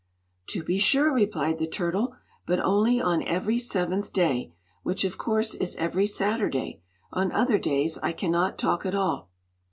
"To be sure," replied the turtle; "but only on every seventh day which of course is every Saturday. On other days I cannot talk at all."